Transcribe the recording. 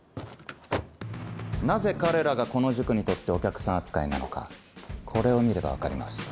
なぜ彼らがこの塾にとってお客さん扱いなのかこれを見れば分かります。